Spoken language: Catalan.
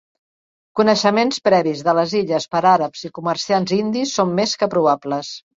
Coneixements previs de les illes per àrabs i comerciants indis són més que probables.